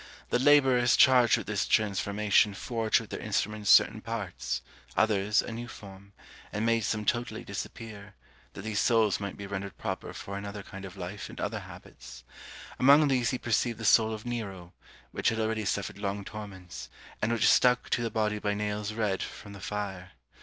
The labourers charged with this transformation forged with their instruments certain parts; others, a new form; and made some totally disappear; that these souls might be rendered proper for another kind of life and other habits. Among these he perceived the soul of Nero, which had already suffered long torments, and which stuck to the body by nails red from the fire.